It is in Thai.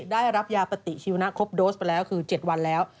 ได้รับยาปฏิชีวนะครบโดสไปแล้วคือ๗วันแล้ว